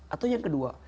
atau yang kedua